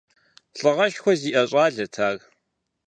Лӏыгъэшхуэ зиӏэ щӏалэт ар.